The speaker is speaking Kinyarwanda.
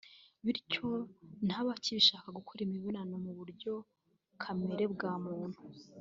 bityo ntabe akibasha gukora imibonano mu buryo kamere bwa muntu